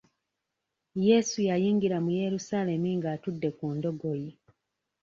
Yesu yayingira mu Yerusaalemi ng'atudde ku ndogoyi.